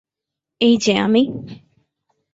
এই যে আমি!